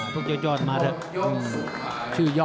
ทุกยอดมาเถอะ